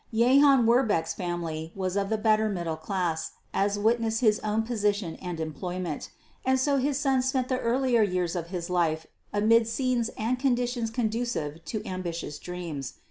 Jehan Werbecque's family was of the better middle class, as witness his own position and employment; and so his son spent the earlier years of his life amid scenes and conditions conducive to ambitious dreams.